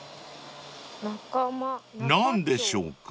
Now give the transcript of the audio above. ［何でしょうか？］